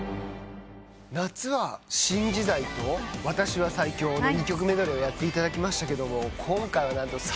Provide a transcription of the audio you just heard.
夏は『新時代』と『私は最強』の２曲メドレーをやっていただきましたけども今回は何と３曲。